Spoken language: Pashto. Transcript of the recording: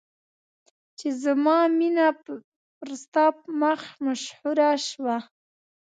چې زما مینه پر ستا مخ مشهوره شوه.